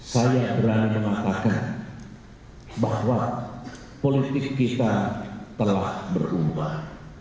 saya berani mengatakan bahwa politik kita telah berubah